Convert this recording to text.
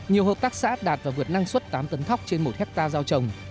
nhiều hợp tác xã đạt và vượt năng suất tám tấn thóc trên một hectare giao trồng